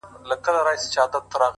دا کيږي چي زړه له ياده وباسم ـ